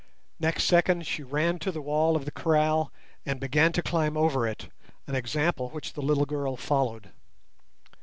Next second she ran to the wall of the kraal and began to climb over it, an example which the little girl followed.